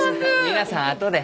皆さんあとで。